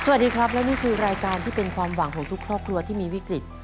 สวัสดีครับและนี่คือรายการที่เป็นความหวังของทุกครอบครัวที่มีวิกฤต